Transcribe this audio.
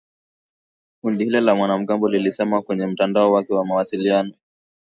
Kundi hilo la wanamgambo lilisema kwenye mtandao wake wa mawasiliano